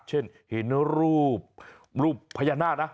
เช่นเห็นรูปพญานาคนะ